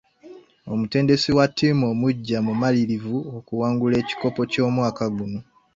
Omutendesi wa ttiimu omuggya mumalirivu okuwangula ekikopo ky'omwaka guno.